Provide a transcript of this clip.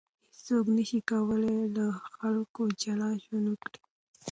هیڅوک نسي کولای له خلکو جلا ژوند وکړي.